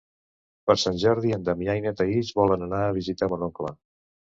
Per Sant Jordi en Damià i na Thaís volen anar a visitar mon oncle.